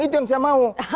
itu yang saya mau